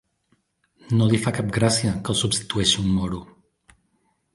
No li fa cap gràcia que el substitueixi un moro.